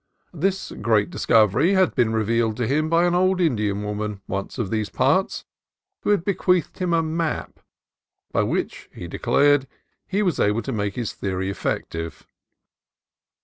This great dis covery had been revealed to him by an old Indian woman, once of these parts, who had bequeathed him a "map," by which, he declared, he was able to make his theory effective.